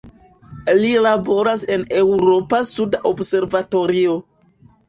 Li laboras en la Eŭropa suda observatorio.